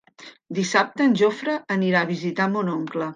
Dissabte en Jofre anirà a visitar mon oncle.